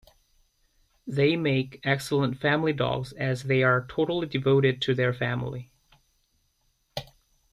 They make excellent family dogs as they are totally devoted to their family.